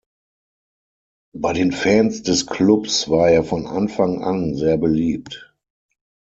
Bei den Fans des Clubs war er von Anfang an sehr beliebt.